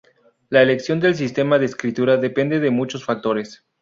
La elección del sistema de escritura depende de muchos factores.